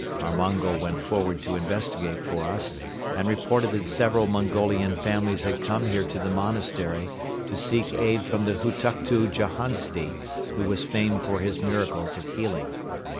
Our Mongol went forward to investigate for us and reported that several Mongolian families had come here to the monastery to seek aid from the Hutuktu Jahansti who was famed for his miracles of healing.